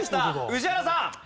宇治原さん。